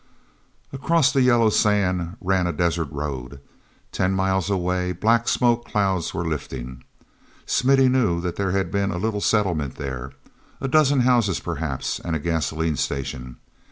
Across the yellow sand ran a desert road. Ten miles away black smoke clouds were lifting. Smithy knew there had been a little settlement there. A dozen houses, perhaps, and a gasoline station.